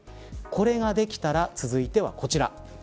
これができたら続いてはこちらです。